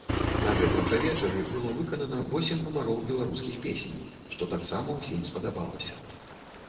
На гэтым жа вечары было выканана восем нумароў беларускіх песень, што таксама ўсім спадабалася.